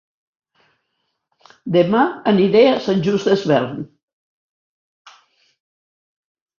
Dema aniré a Sant Just Desvern